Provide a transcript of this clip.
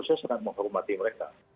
saya sangat menghormati mereka